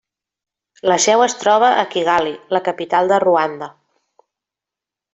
La seu es troba a Kigali, la capital de Ruanda.